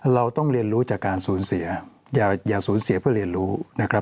เราต้องเรียนรู้จากการสูญเสียอย่าสูญเสียเพื่อเรียนรู้นะครับ